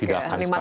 tidak akan stuck